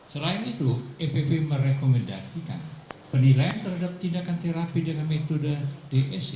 selain itu epp merekomendasikan penilaian terhadap tindakan terapi dengan metode dsc